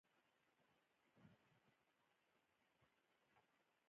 انسانان د همکاریو په شبکو کې ځان تنظیم کړل.